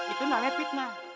itu namanya fitnah